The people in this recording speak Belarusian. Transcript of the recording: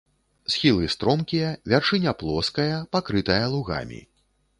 Схілы стромкія, вяршыня плоская, пакрытая лугамі.